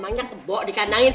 emangnya kebok dikandangin